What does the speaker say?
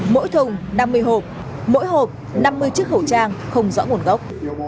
mỗi thùng năm mươi hộp mỗi hộp năm mươi chiếc khẩu trang không rõ nguồn gốc